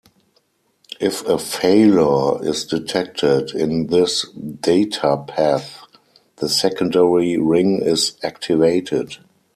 If a failure is detected in this data path, the secondary ring is activated.